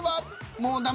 もうダメ。